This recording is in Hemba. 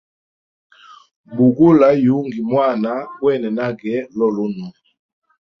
Bugula yugu mwana gwene nage lulunwe.